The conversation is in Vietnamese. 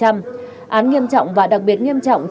án nghiêm trọng và đặc biệt nghiêm trọng chín mươi bảy năm